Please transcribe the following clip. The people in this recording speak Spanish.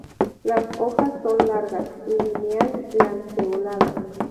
Las hojas son largas; lineal-lanceoladas.